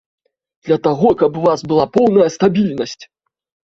Для таго, каб у вас была поўная стабільнасць.